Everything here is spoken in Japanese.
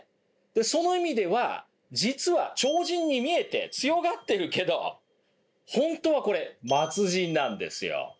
その意味では実は超人に見えて強がってるけど本当はこれ末人なんですよ。